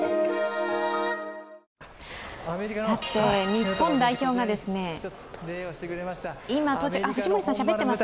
日本代表が今、到着藤森さん、しゃべってますね。